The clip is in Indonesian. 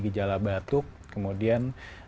gejala batuk kemudian